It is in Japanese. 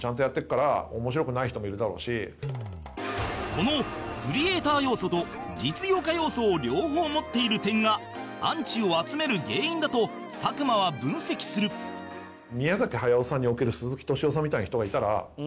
このクリエイター要素と実業家要素を両方持っている点がアンチを集める原因だと佐久間は分析するっていうか俺。